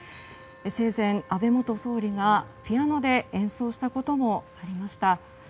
生前、安倍元総理がピアノで演奏したこともありました。